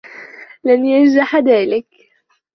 لن ينجح ذلك.